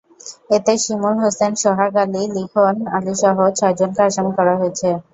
এতে শিমুল হোসেন, সোহাগ আলী, লিখন আলীসহ ছয়জনকে আসামি করা হয়েছে।